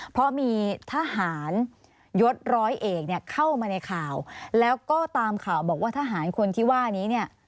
เพราะมีทหารยศร้อยเอกเนี่ยเข้ามาในข่าวแล้วก็ตามข่าวบอกว่าทหารคนที่ว่านี้เนี่ย